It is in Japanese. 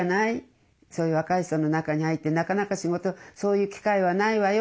そういう若い人の中に入ってなかなか仕事そういう機会はないわよ。